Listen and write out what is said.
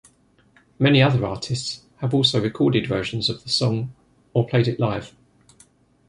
Many other artists have also recorded versions of the song or played it live.